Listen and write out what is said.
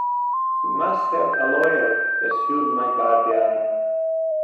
"You must have a lawyer," pursued my guardian.